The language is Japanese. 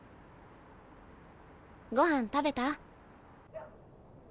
ごはん食べた？